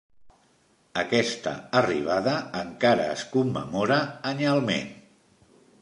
Aquesta arribada encara es commemora anyalment.